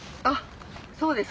そうですか。